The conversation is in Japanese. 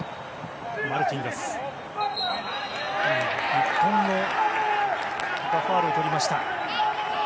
日本がファウルをとりました。